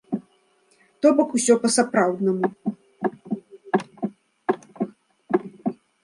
То бок усё па-сапраўднаму.